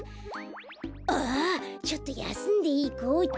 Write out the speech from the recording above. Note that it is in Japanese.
ああちょっとやすんでいこうっと。